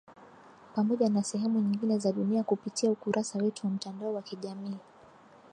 Pamoja na sehemu nyingine za dunia kupitia ukurasa wetu wa mtandao wa kijamii